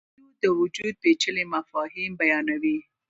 کویلیو د وجود پیچلي مفاهیم بیانوي.